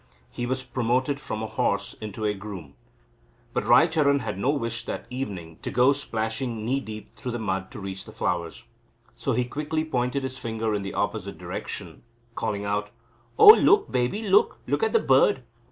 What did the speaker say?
He was promoted from a horse into a groom. But Raicharan had no wish that evening to go splashing knee deep through the mud to reach the flowers. So he quickly pointed his finger in the opposite direction, calling out: "Oh, look, baby, look! Look at the bird."